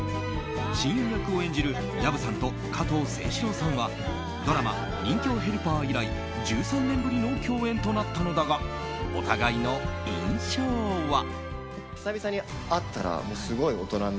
親友役を演じる薮さんと加藤清史郎さんはドラマ「任侠ヘルパー」以来１３年ぶりの共演となったのだがお互いの印象は。